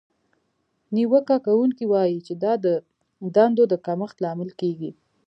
نیوکه کوونکې وایي چې دا د دندو د کمښت لامل کیږي.